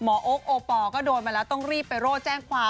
โอ๊คโอปอลก็โดนมาแล้วต้องรีบไปโร่แจ้งความ